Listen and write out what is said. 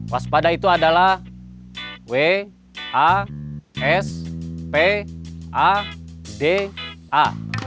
waspada itu adalah w a s p a d a